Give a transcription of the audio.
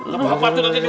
gak apa apa tuh nanti dulu